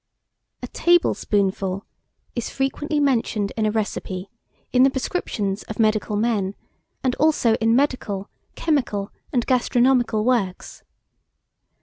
A TABLE SPOONFUL is frequently mentioned in a recipe, in the prescriptions of medical men, and also in medical, chemical, and gastronomical works.